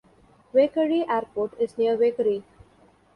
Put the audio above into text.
Waikerie Airport is near Waikerie.